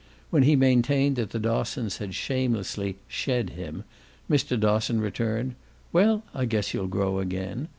When he maintained that the Dossons had shamelessly "shed" him Mr. Dosson returned "Well, I guess you'll grow again!"